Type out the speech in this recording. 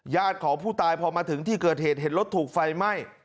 ของผู้ตายพอมาถึงที่เกิดเหตุเห็นรถถูกไฟไหม้